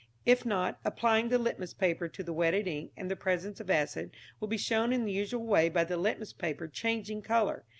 If not, apply the litmus paper to the wetted ink, and the presence of acid will be shown in the usual way by the litmus paper changing colour.